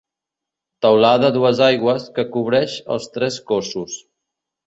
Teulada a dues aigües, que cobreix els tres cossos.